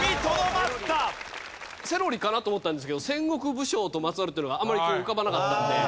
セロリかなと思ったんですけど戦国武将とまつわるっていうのがあまり浮かばなかったので。